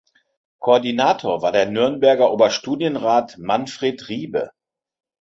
Koordinator war der Nürnberger Oberstudienrat Manfred Riebe.